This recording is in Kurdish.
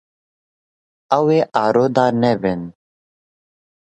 Ew ê arode nebin.